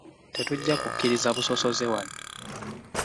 Tetujja kukkiriza busosoze wano.